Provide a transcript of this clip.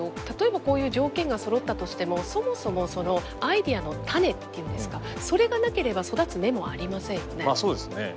例えばこういう条件がそろったとしてもそもそもそのアイデアの種っていうんですかそれがなければ育つ芽もありませんよね。